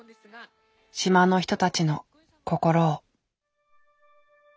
島の人たちの心を。